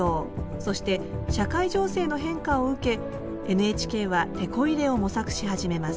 そして社会情勢の変化を受けＮＨＫはてこ入れを模索し始めます